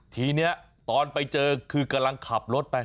ทีนี้ตอนไปเจอคือกำลังขับรถไป